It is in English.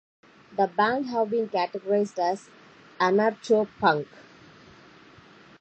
The band have been categorised as anarcho punk.